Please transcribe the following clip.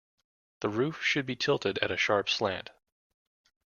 The roof should be tilted at a sharp slant.